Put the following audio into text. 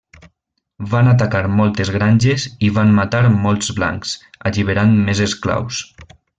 Van atacar moltes granges i van matar molts blancs, alliberant més esclaus.